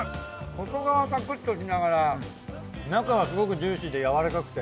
外側サクッとしながら中はすごくジューシーでやわらかくて。